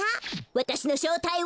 わたしのしょうたいは。